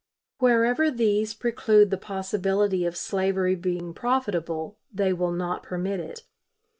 Wherever these preclude the possibility of slavery being profitable, they will not permit it.